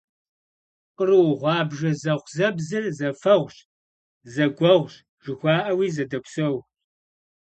Къру гъуабжэ зэхъузэбзыр зэфэгъущ, «зэгуэгъущ» жыхуаӀэуи зэдопсэу.